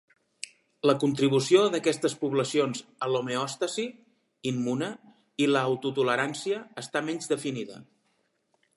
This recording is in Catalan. La contribució d"aquestes poblacions a l"homeòstasi immune i l"auto-tolerància està menys definida.